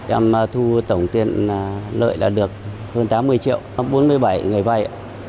em thu tổng tiền lợi là được hơn tám mươi triệu bốn mươi bảy người vai